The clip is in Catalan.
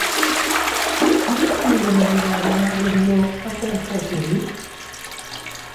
Quina és la millor manera d'anar a Rubió amb trasport públic?